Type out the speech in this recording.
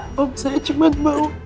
ah om saya cuman mau